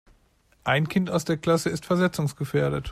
Ein Kind aus der Klasse ist versetzungsgefährdet.